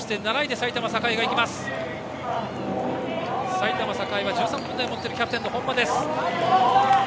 埼玉栄は１３分台のタイムを持っているキャプテンの本間です。